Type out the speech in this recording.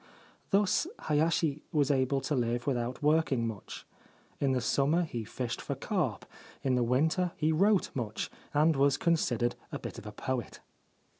Thus Hayashi was able to live without working much. In the summer he fished for carp ; in the winter he wrote much, and was considered a bit of a poet.